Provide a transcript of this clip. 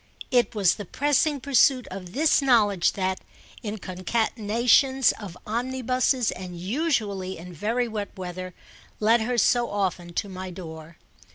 It was the pressing pursuit of this knowledge that, in concatenations of omnibuses and usually in very wet weather, led her so often to my door.